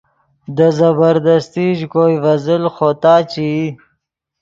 دے زبردستی ژے کوئے ڤے زل خوتا چے ای